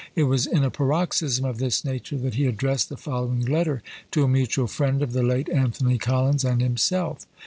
It was in a paroxysm of this nature that he addressed the following letter to a mutual friend of the late Anthony Collins and himself.